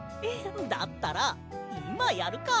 だったらいまやるか！